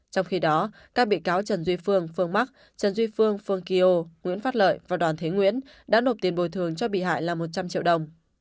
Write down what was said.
trong khi đó các bị cáo trần duy phương phương mắc trần duy phương phương kỳ ô nguyễn phát lợi và đoàn thế nguyễn đã nộp tiền bồi thường cho bị hại là một trăm linh triệu đồng